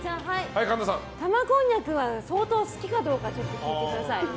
玉こんにゃくは相当好きかどうか聞いてください。